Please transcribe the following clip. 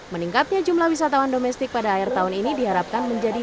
meningkatnya jumlah wisatawan domestik pada akhir tahun ini diharapkan menjadi